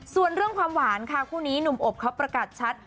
ส่วนเรื่องความหวานค่ะคู่นี้หนุ่มอบเขาประกาศชัด